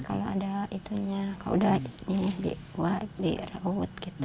kalau sudah di raut